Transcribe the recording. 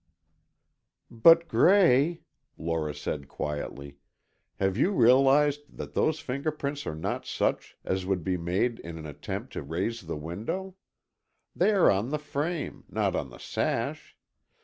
"But, Gray," Lora said, quietly, "have you realized that those fingerprints are not such as would be made in an attempt to raise the window? They are on the frame, not on the sash.